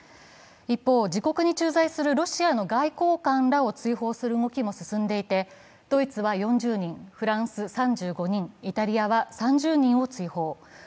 一方、自国に駐在するロシアの外交官らを追放する動きも続いていてドイツは４０人、フランス３５人、イタリアは３０人を追放。